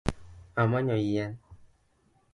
Amanyo yien